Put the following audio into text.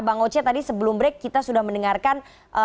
bang oce tadi sebelum break kita sudah mendengarkan